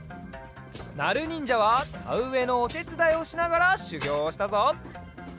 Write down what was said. なるにんじゃはたうえのおてつだいをしながらしゅぎょうをしたぞ。